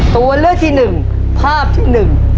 ตัวเลือกที่หนึ่งภาพที่หนึ่ง